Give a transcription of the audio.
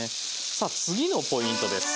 さあ次のポイントです。